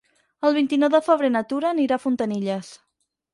El vint-i-nou de febrer na Tura anirà a Fontanilles.